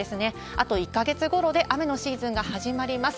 あと１か月ごろで雨のシーズンが始まります。